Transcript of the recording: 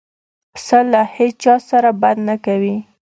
پسه له هیڅ چا سره بد نه کوي.